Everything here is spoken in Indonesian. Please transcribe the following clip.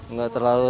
nggak terlalu ribet